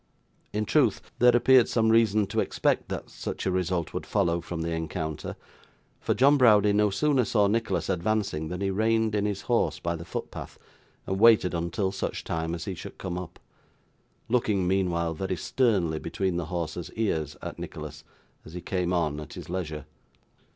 In truth, there appeared some reason to expect that such a result would follow from the encounter, for John Browdie no sooner saw Nicholas advancing, than he reined in his horse by the footpath, and waited until such time as he should come up; looking meanwhile, very sternly between the horse's ears, at Nicholas, as he came on at his leisure.